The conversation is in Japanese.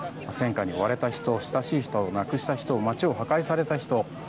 戦禍に追われた人、親しい人を亡くした人街を破壊された人。